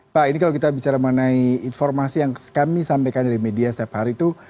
pak ini kalau kita bicara mengenai informasi yang kami sampaikan dari media setiap hari itu